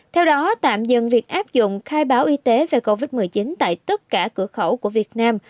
theo đó tạm dừng việc áp dụng khai báo y tế về covid một mươi chín tại tất cả cửa khẩu của việt nam